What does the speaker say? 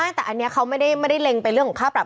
แต่อันนี้เขาไม่ได้เล็งไปเรื่องของค่าปรับ